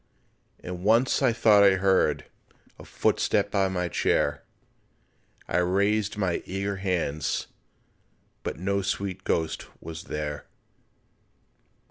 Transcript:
And once I thought I heard A footstep by my chair, I raised my eager hands, But no sweet ghost was there.